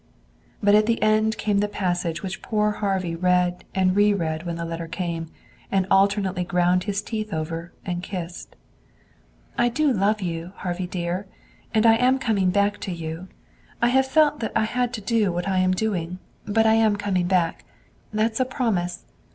But at the end came the passage which poor Harvey read and re read when the letter came, and alternately ground his teeth over and kissed. "I do love you, Harvey dear. And I am coming back to you. I have felt that I had to do what I am doing, but I am coming back. That's a promise.